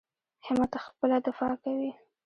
همت خپله دفاع کوي.